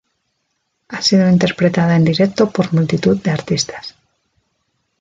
Ha sido interpretada en directo por multitud de artistas.